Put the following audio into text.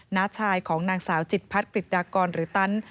น้าชายของนางสาวจิตพัฒนกฤษฎากรหรือตัน